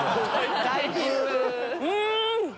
うん！